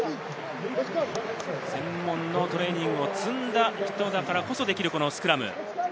専門のトレーニングを積んだ人だからこそできるスクラム。